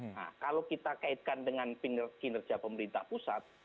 nah kalau kita kaitkan dengan kinerja pemerintah pusat